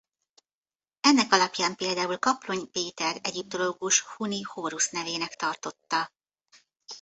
Ennek alapján például Kaplony Péter egyiptológus Huni Hórusz-nevének tartotta.